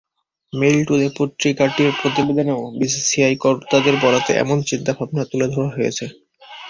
Mail today পত্রিকাটির প্রতিবেদনেও BCCI কর্তাদের বরাতে এমন চিন্তাভাবনা তুলে ধরা হয়েছে।